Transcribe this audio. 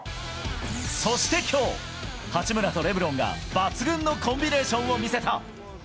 そしてきょう、八村とレブロンが抜群のコンビネーションを見せた。